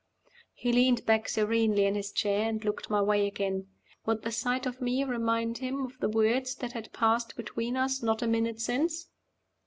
He leaned back serenely in his chair, and looked my way again. Would the sight of me remind him of the words that had passed between us not a minute since?